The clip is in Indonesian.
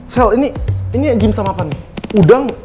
sel ini ini gim sama apa nih udang